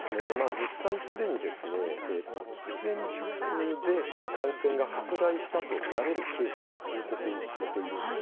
実際、喫煙室で感染が拡大したとみられるケースも報告されているんです。